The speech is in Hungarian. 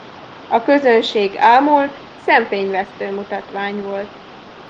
A közönség ámult, szemfényvesztő mutatvány volt.